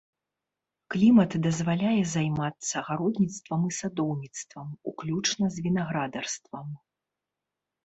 Клімат дазваляе займацца гародніцтвам і садоўніцтвам, уключна з вінаградарствам.